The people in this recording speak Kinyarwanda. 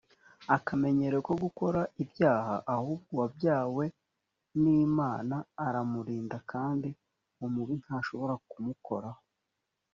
akamenyero ko gukora ibyaha ahubwo uwabyawe n n imana aramurinda kandi umubi ntashobora kumukoraho